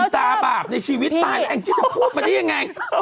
ตาบาปในชีวิตตายแล้วแองจี้จะพูดมาได้ยังไง